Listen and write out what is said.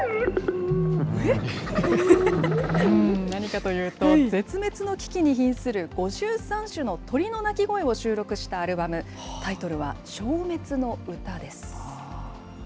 何かというと、絶滅の危機にひんする５３種の鳥の鳴き声を収録したアルバム、タイトルは、消滅の歌です。